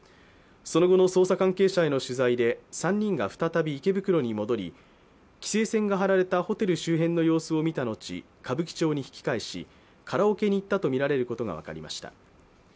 その後の捜査関係者への取材で、３人が再び池袋に戻り規制線が張られたホテル周辺の様子を見た後、歌舞伎町に引き返しカラオケに行ったとみられることが分かりました。